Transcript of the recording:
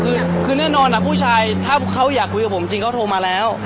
คือคือแน่นอนผู้ชายถ้าเขาอยากคุยกับผมจริงเขาโทรมาแล้ว